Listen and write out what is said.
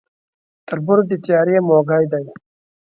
تر بور د تيارې موږى دى.